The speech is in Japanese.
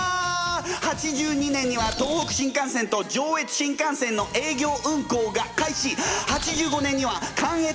８２年には東北新幹線と上越新幹線の営業運行が開始！